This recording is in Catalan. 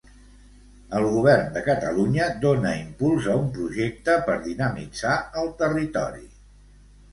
El govern de Catalunya dona impuls a un projecte per dinamitzar el territori.